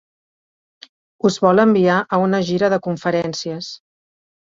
Us vol enviar a una gira de conferències.